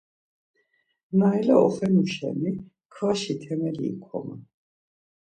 Nayla oxenu şeni kvaşi temeli ikoman.